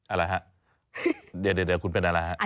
อะไรฮะเดี๋ยวคุณเป็นอะไรฮะ